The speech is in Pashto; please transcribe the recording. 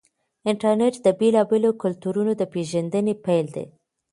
انټرنیټ د بېلابېلو کلتورونو د پیژندنې پل دی.